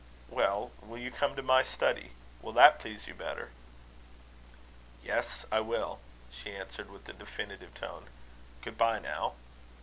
"Well, will you come to my study? Will that please you better?" "Yes, I will," she answered, with a definitive tone. "Good bye, now."